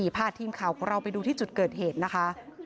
พาทีมข่าวของเราไปดูที่จุดเกิดเหตุนะคะ